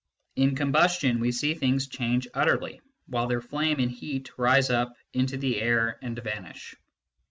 In com bustion we see things change utterly, while their flame and heat rise up into the air and vanish.